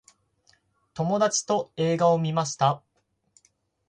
友達と映画を観ました。